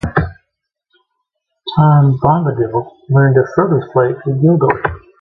Tom Bombadil learned of Frodo's plight through Gildor.